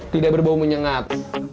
tidak berbau menyengat